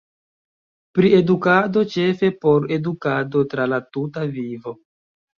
Pri edukado: ĉefe por edukado tra la tuta vivo.